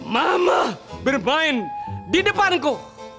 mama berbain di depanku